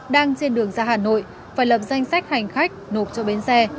đang trên đường ra hà nội phải lập danh sách hành khách nộp cho bến xe